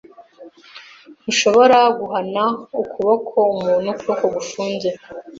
Ntushobora guhana ukuboko umuntu ukuboko gufunze.